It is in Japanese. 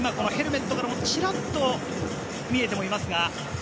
今、ヘルメットからもちらっと見えています。